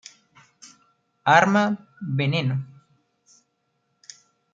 Arma: Veneno.